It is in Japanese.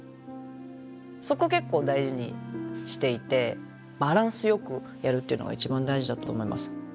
そこ結構大事にしていてバランスよくやるっていうのが一番大事だと思います。